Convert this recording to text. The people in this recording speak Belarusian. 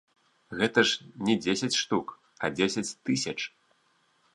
Гэта ж не дзесяць штук, а дзесяць тысяч.